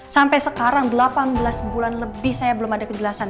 sampai sekarang delapan belas bulan lebih saya belum ada kejelasan